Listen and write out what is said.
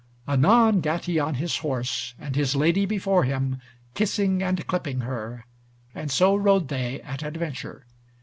Anon gat he on his horse, and his lady before him, kissing and clipping her, and so rode they at adventure.